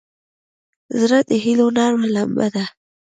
زړه د هيلو نرمه لمبه ده.